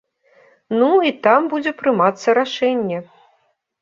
Ну, і там будзе прымацца рашэнне.